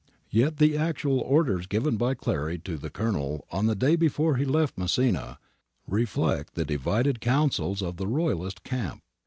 Yet the actual orders given by Clary to the Colonel on the day before he left Messina reflect the divided counsels of the Royalist camp.